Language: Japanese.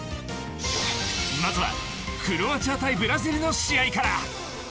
まずはクロアチア対ブラジルの試合から。